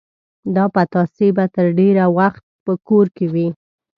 دا پتاسې به تر ډېر وخت په کور کې وې.